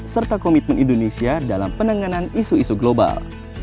serta komitmen indonesia dalam penanganan isu isu global